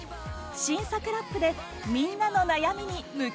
新作ラップでみんなの悩みに向き合います。